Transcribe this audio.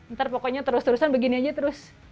ntar pokoknya terus terusan begini aja terus